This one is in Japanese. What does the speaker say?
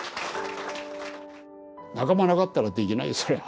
仲間なかったらできないよ